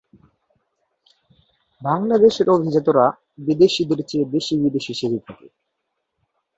বাংলাদেশের অভিজাতরা বিদেশিদের চেয়ে বেশি বিদেশি সেজে থাকে।